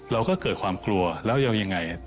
เราก็เกิดความกลัวแล้วจะเอายังไง